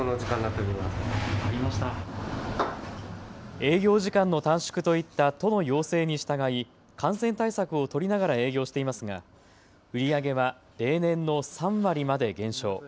営業時間の短縮といった都の要請に従い感染対策を取りながら営業していますが売り上げは例年の３割まで減少。